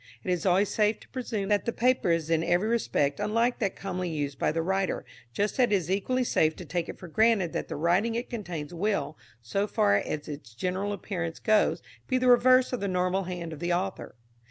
It is always safe to presume that the paper is in every respect unlike that commonly used by the writer, just as it is equally safe to take it for granted that the writing it contains will, so far as its general appearance goes, be the reverse of the normal hand of the author.